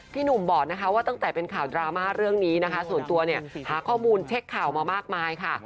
หนุ่มบอกนะคะว่าตั้งแต่เป็นข่าวดราม่าเรื่องนี้นะคะส่วนตัวเนี่ยหาข้อมูลเช็คข่าวมามากมายค่ะ